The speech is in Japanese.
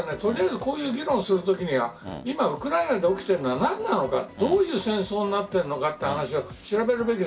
こういう議論をするときには今、ウクライナで起きているのは何なのかどういう戦争になっているのかという話を調べるべき。